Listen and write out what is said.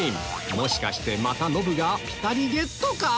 もしかしてまたノブがピタリゲットか⁉